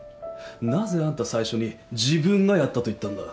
なぜあんた最初に自分がやったと言ったんだ？